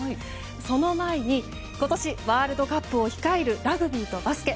その前に、今年ワールドカップを控えるラグビーとバスケ。